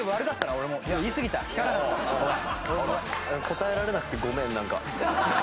答えられなくてごめんなんか。